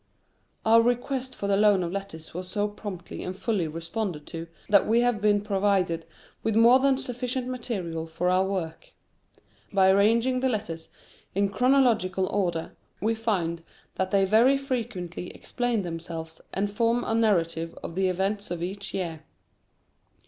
Our request for the loan of letters was so promptly and fully responded to, that we have been provided with more than sufficient material for our work. By arranging the letters in chronological order, we find that they very frequently explain themselves and form a narrative of the events of each year.